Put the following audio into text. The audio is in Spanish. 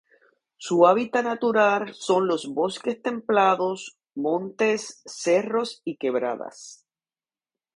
Su hábitat natural son los bosques templados, montes, cerros y quebradas.